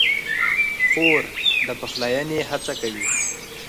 خور د پخلاینې هڅه کوي.